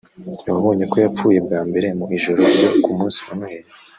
ni wabonye ko yapfuye bwa mbere mu ijoro ryo ku munsi wa Noheli